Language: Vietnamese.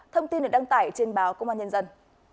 thông tin được đăng tải trên báo công an nhân dân